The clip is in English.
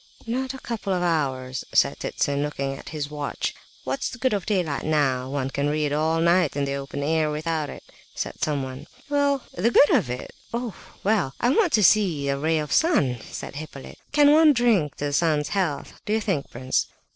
"Not a couple of hours," said Ptitsin, looking at his watch. "What's the good of daylight now? One can read all night in the open air without it," said someone. "The good of it! Well, I want just to see a ray of the sun," said Hippolyte. "Can one drink to the sun's health, do you think, prince?"